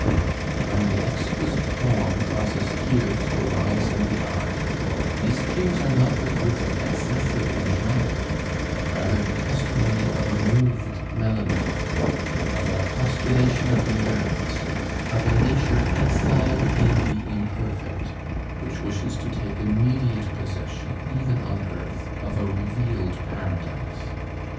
And when an exquisite poem causes tears to rise in the eye, these tears are not the proof of excessive enjoyment, but rather the testimony of a moved melancholy, of a postulation of the nerves, of a nature exiled in the imperfect, which wishes to take immediate possession, even on earth, of a revealed paradise.